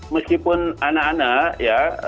meskipun anak anak ya